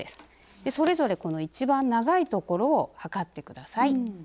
それぞれこの一番長いところを測って下さい。